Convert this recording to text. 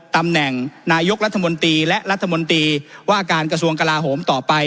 ตำแหน่งนายกรัฐมนตรีและรัฐมนตรีว่าการกระทรวงกลาโหมต่อไป